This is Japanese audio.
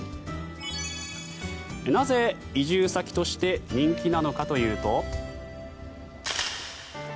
なぜ移住先として人気なのかというと。